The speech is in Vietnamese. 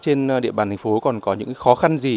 trên địa bàn thành phố còn có những khó khăn gì